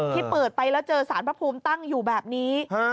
ที่เปิดไปแล้วเจอสารพระภูมิตั้งอยู่แบบนี้